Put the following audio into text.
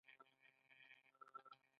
مچان د کور هره برخه چټلوي